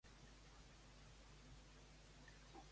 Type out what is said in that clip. Qui és Exili Dantò?